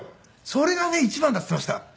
それがね一番だって言っていました。